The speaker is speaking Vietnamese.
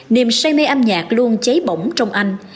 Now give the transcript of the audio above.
niềm say mê âm nhạc luôn cháy bỏng trong anh